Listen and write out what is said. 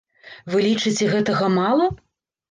Вы лічыце, гэтага мала?